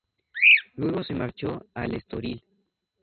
Luego se marchó al Estoril.